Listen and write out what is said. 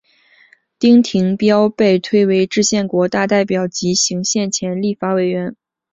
丁廷标被推为制宪国大代表及行宪前立法委员。